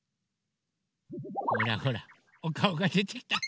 ほらほらおかおがでてきた！